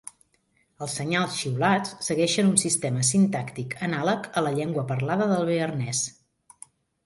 Els senyals xiulats segueixen un sistema sintàctic anàleg a la llengua parlada del bearnès.